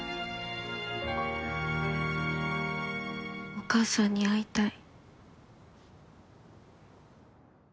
お母さんに会いたい。